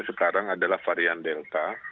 sekarang adalah varian delta